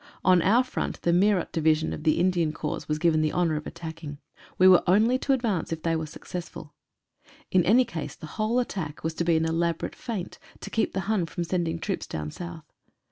On our front the Meerut division of the Indian Corps was given the honor of attacking. We were only to advance if they were successful. In any case the whole attack was to be an elaborate feint to keep the Hun from sending troops down South.